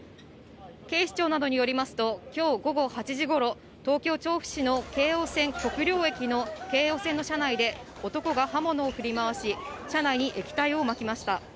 警視庁などによりますと、きょう午後８時ごろ、東京・調布市の京王線国領駅の京王線の車内で、男が刃物を振り回し、車内に液体をまきました。